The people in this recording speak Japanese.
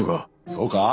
そうか？